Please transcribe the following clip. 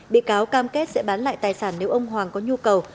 bị cáo cam kết sẽ bán lại tài sản nếu ông hoàng có nhu cầu